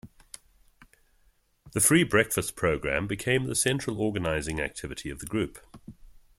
The Free Breakfast Program became the central organizing activity of the group.